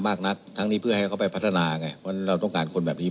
มากนักทั้งนี้เพื่อให้เขาไปพัฒนาไงเพราะฉะนั้นเราต้องการคนแบบนี้